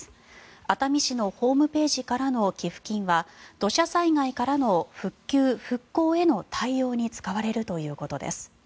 熱海市のホームページからの寄付金は土砂災害からの復旧・復興への対応に使われるということです。